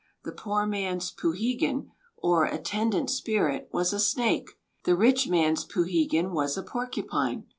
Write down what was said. The poor man's poohegan, or attendant spirit, was a snake; the rich man's poohegan was a porcupine.